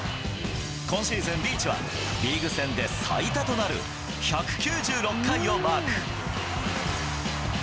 今シーズン、リーチはリーグ戦で最多となる１９６回をマーク。